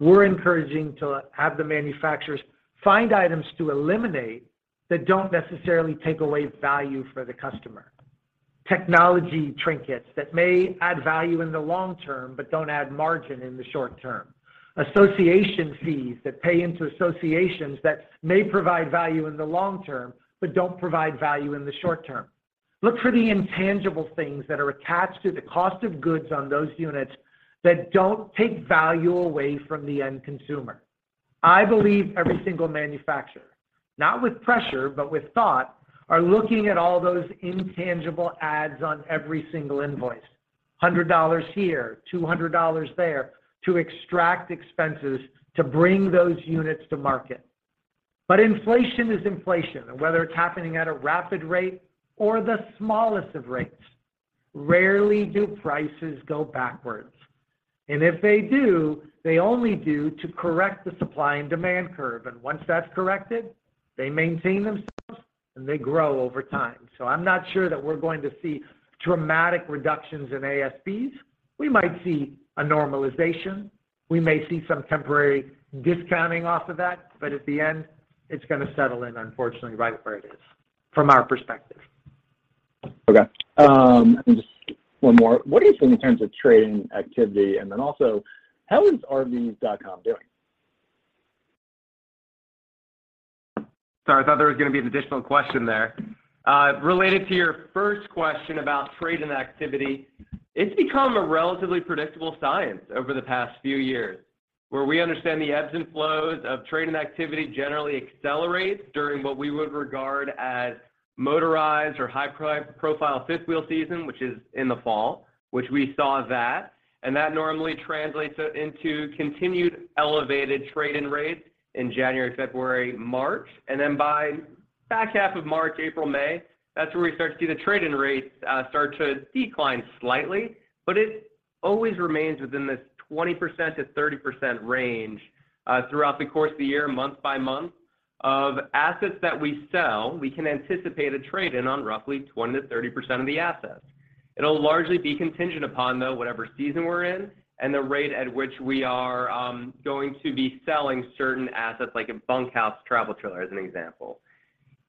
Speaker 3: We're encouraging to have the manufacturers find items to eliminate that don't necessarily take away value for the customer. Technology trinkets that may add value in the long term, but don't add margin in the short term. Association fees that pay into associations that may provide value in the long term, but don't provide value in the short term. Look for the intangible things that are attached to the cost of goods on those units that don't take value away from the end consumer. I believe every single manufacturer, not with pressure but with thought, are looking at all those intangible ads on every single invoice. $100 here, $200 there to extract expenses to bring those units to market. Inflation is inflation, whether it's happening at a rapid rate or the smallest of rates, rarely do prices go backwards. If they do, they only do to correct the supply and demand curve. Once that's corrected, they maintain themselves, and they grow over time. I'm not sure that we're going to see dramatic reductions in ASPs. We might see a normalization. We may see some temporary discounting off of that. At the end, it's gonna settle in, unfortunately, right where it is from our perspective.
Speaker 11: Okay. Just one more. What do you think in terms of trading activity? Also, how is RVs.com doing?
Speaker 8: Sorry, I thought there was gonna be an additional question there. Related to your first question about trade-in activity, it's become a relatively predictable science over the past few years, where we understand the ebbs and flows of trade-in activity generally accelerates during what we would regard as motorized or high profile fifth wheel season, which is in the fall, which we saw that. That normally translates into continued elevated trade-in rates in January, February, March. Then by back half of March, April, May, that's where we start to see the trade-in rates start to decline slightly. It always remains within this 20%-30% range throughout the course of the year, month by month, of assets that we sell. We can anticipate a trade-in on roughly 20%-30% of the assets. It'll largely be contingent upon, though, whatever season we're in and the rate at which we are going to be selling certain assets, like a bunk house travel trailer as an example.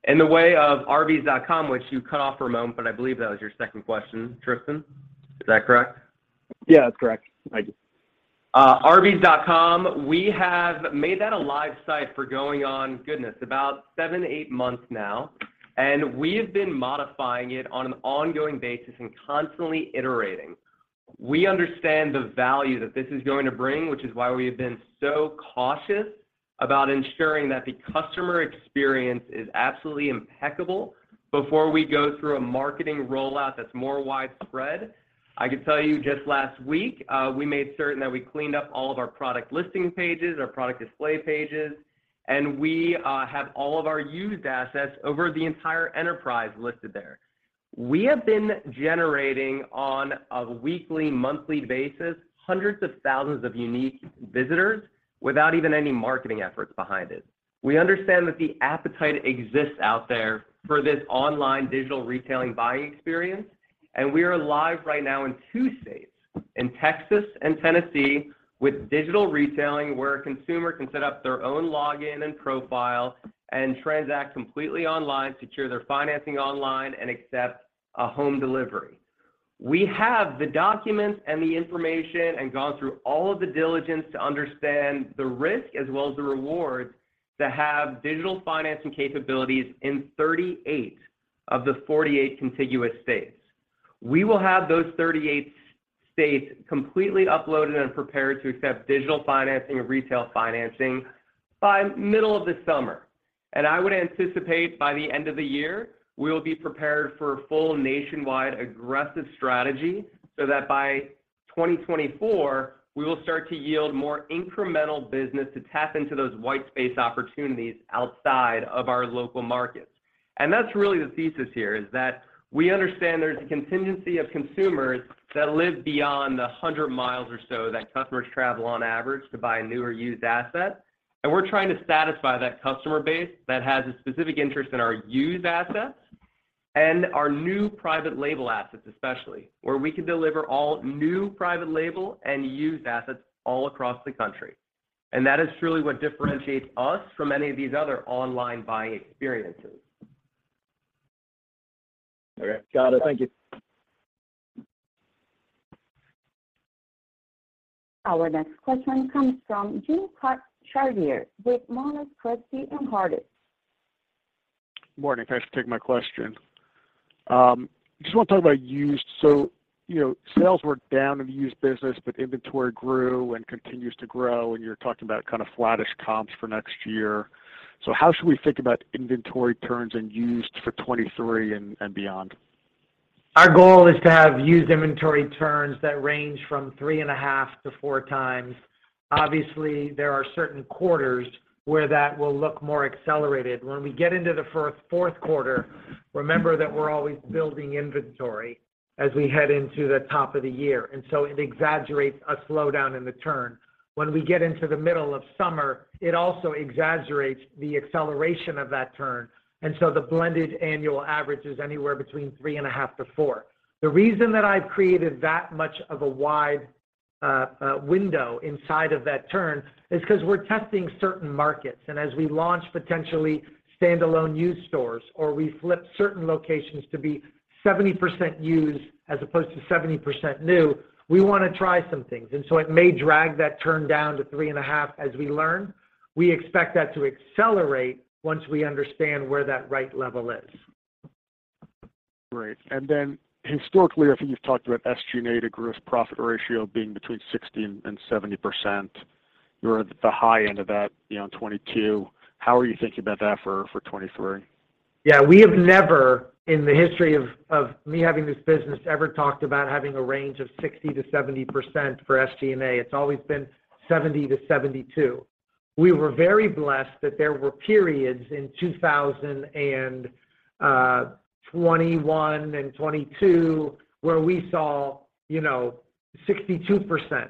Speaker 8: In the way of RVs.com, which you cut off for a moment, but I believe that was your second question, Tristan. Is that correct?
Speaker 11: Yeah, that's correct. Thank you.
Speaker 8: RVs.com, we have made that a live site for going on, goodness, about seven to eight months now, and we have been modifying it on an ongoing basis and constantly iterating. We understand the value that this is going to bring, which is why we have been so cautious about ensuring that the customer experience is absolutely impeccable before we go through a marketing rollout that's more widespread. I can tell you just last week, we made certain that we cleaned up all of our product listing pages, our product display pages, and we have all of our used assets over the entire enterprise listed there. We have been generating on a weekly, monthly basis hundreds of thousands of unique visitors without even any marketing efforts behind it. We understand that the appetite exists out there for this online digital retailing buying experience, and we are live right now in two states, in Texas and Tennessee, with digital retailing, where a consumer can set up their own login and profile and transact completely online, secure their financing online, and accept a home delivery. We have the documents and the information and gone through all of the diligence to understand the risk as well as the rewards to have digital financing capabilities in 38 of the 48 contiguous states. We will have those 38 states completely uploaded and prepared to accept digital financing, retail financing by middle of the summer. I would anticipate by the end of the year, we will be prepared for a full nationwide aggressive strategy so that by 2024, we will start to yield more incremental business to tap into those white space opportunities outside of our local markets. That's really the thesis here, is that we understand there's a contingency of consumers that live beyond the 100 miles or so that customers travel on average to buy a new or used asset. We're trying to satisfy that customer base that has a specific interest in our used assets and our new private label assets, especially, where we can deliver all new private label and used assets all across the country. That is truly what differentiates us from any of these other online buying experiences.
Speaker 11: Okay. Got it. Thank you.
Speaker 1: Our next question comes from James Chartier with Monness, Crespi, Hardt.
Speaker 12: Morning. Thanks for taking my question. Just wanna talk about used. You know sales were down in the used business, but inventory grew and continues to grow, and you're talking about kind of flattish comps for next year. How should we think about inventory turns in used for 2023 and beyond?
Speaker 3: Our goal is to have used inventory turns that range from 3.5 to 4 times. Obviously, there are certain quarters where that will look more accelerated. When we get into the first fourth quarter, remember that we're always building inventory as we head into the top of the year, and so it exaggerates a slowdown in the turn. When we get into the middle of summer, it also exaggerates the acceleration of that turn. The blended annual average is anywhere between 3.5 to 4. The reason that I've created that much of a wide window inside of that turn is 'cause we're testing certain markets. As we launch potentially standalone used stores, or we flip certain locations to be 70% used as opposed to 70% new, we wanna try some things. It may drag that turn down to three and a half as we learn. We expect that to accelerate once we understand where that right level is.
Speaker 12: Great. Historically, I think you've talked about SG&A to gross profit ratio being between 60% and 70%. You were at the high end of that, you know, in 2022. How are you thinking about that for 2023?
Speaker 3: Yeah. We have never, in the history of me having this business, ever talked about having a range of 60%-70% for SG&A. It's always been 70%-72%. We were very blessed that there were periods in 2021 and 2022 where we saw, you know, 62%.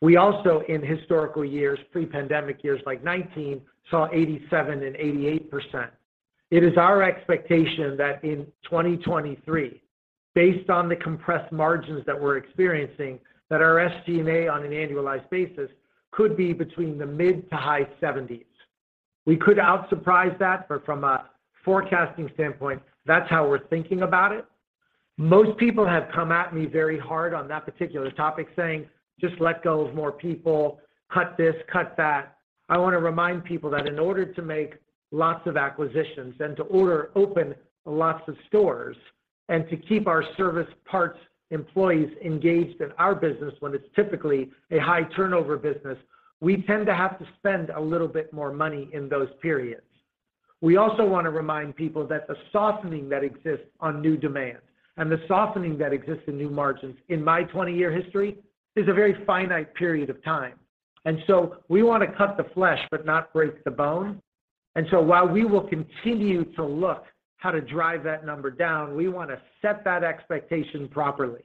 Speaker 3: We also, in historical years, pre-pandemic years like 2019, saw 87% and 88%. It is our expectation that in 2023, based on the compressed margins that we're experiencing, that our SG&A on an annualized basis could be between the mid-70s to high-70s. We could outsurprise that, but from a forecasting standpoint, that's how we're thinking about it. Most people have come at me very hard on that particular topic saying, "Just let go of more people. Cut this. Cut that." I wanna remind people that in order to make lots of acquisitions and to order open lots of stores and to keep our service parts employees engaged in our business when it's typically a high turnover business, we tend to have to spend a little bit more money in those periods. We also wanna remind people that the softening that exists on new demand and the softening that exists in new margins in my 20-year history is a very finite period of time. We wanna cut the flesh but not break the bone. While we will continue to look how to drive that number down, we wanna set that expectation properly.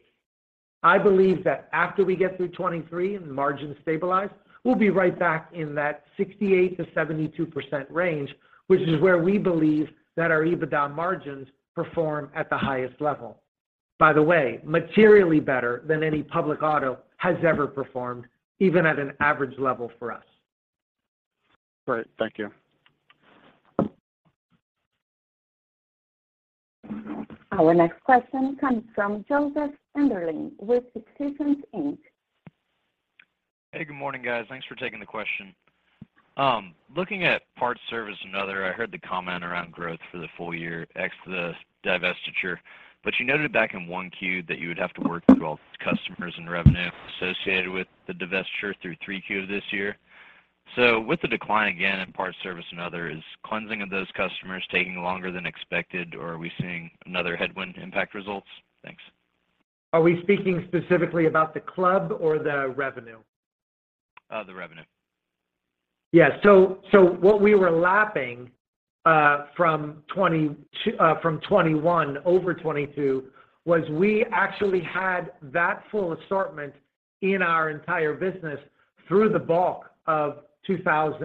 Speaker 3: I believe that after we get through 2023 and margins stabilize, we'll be right back in that 68%-72% range, which is where we believe that our EBITDA margins perform at the highest level. By the way, materially better than any public auto has ever performed, even at an average level for us.
Speaker 12: Great. Thank you.
Speaker 1: Our next question comes from Joseph Enderlin with Stephens Inc.
Speaker 13: Hey, good morning, guys. Thanks for taking the question. Looking at parts service and other, I heard the comment around growth for the full year ex the divestiture. You noted back in 1Q that you would have to work through all customers and revenue associated with the divestiture through 3Q of this year. With the decline again in parts service and other, is cleansing of those customers taking longer than expected, or are we seeing another headwind impact results? Thanks.
Speaker 3: Are we speaking specifically about the club or the revenue?
Speaker 13: The revenue.
Speaker 3: What we were lapping from 2021 over 2022 was we actually had that full assortment in our entire business through the bulk of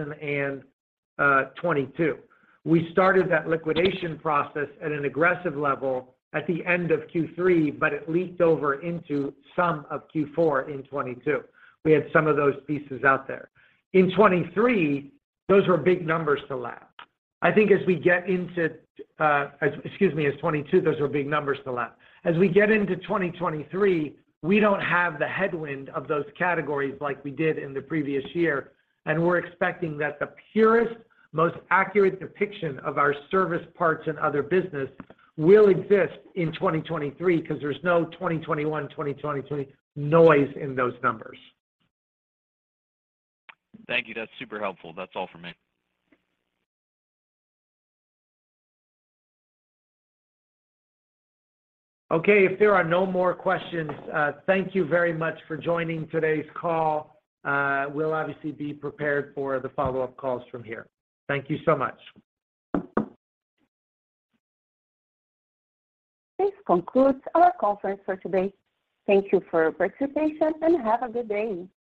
Speaker 3: 2022. We started that liquidation process at an aggressive level at the end of Q3, it leaked over into some of Q4 in 2022. We had some of those pieces out there. In 2023, those were big numbers to lap. I think as we get into, as 2022, those were big numbers to lap. As we get into 2023, we don't have the headwind of those categories like we did in the previous year, we're expecting that the purest, most accurate depiction of our service parts and other business will exist in 2023 because there's no 2021, 2020 noise in those numbers.
Speaker 13: Thank you. That's super helpful. That's all for me.
Speaker 3: Okay. If there are no more questions, thank you very much for joining today's call. We'll obviously be prepared for the follow-up calls from here. Thank you so much.
Speaker 1: This concludes our conference for today. Thank you for participation, and have a good day.